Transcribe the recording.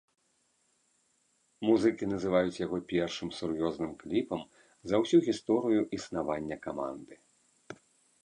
Музыкі называюць яго першым сур'ёзным кліпам за ўсю гісторыю існавання каманды.